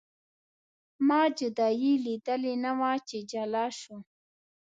ما جدایي لیدلې نه وه چې جلا شو.